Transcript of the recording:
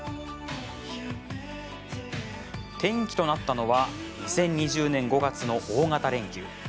転機となったのは２０２０年５月の大型連休。